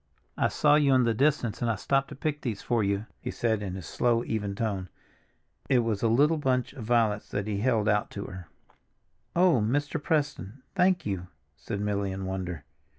"I saw you in the distance and I stopped to pick these for you," he said in his slow, even tone. It was a little bunch of violets that he held out to her. "Oh, Mr. Preston, thank you!" said Milly in wonder.